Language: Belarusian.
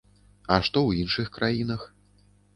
А што ў іншых краінах?